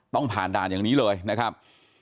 ต้องผ่านด่านอย่างนี้เลยนะครับ